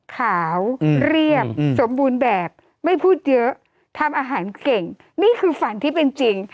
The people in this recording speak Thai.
ขาวเรียบสมบูรณ์แบบไม่พูดเยอะทำอาหารเก่งนี่คือฝันที่เป็นจริง